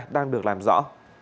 đang được làm rõ